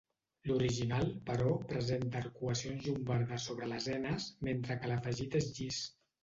L'original, però, presenta arcuacions llombardes sobre lesenes, mentre que l'afegit és llis.